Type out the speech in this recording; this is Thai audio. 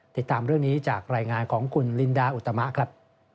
ติดตามเรื่องนี้จากรายงานของคุณลินดาอุตมะครับ